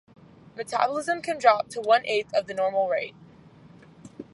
Metabolism can drop to one-eighth of the normal rate.